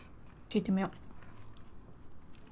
聞いてみよ。